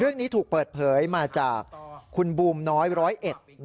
เรื่องนี้ถูกเปิดเผยมาจากคุณบูมน้อยร้อยเอ็ด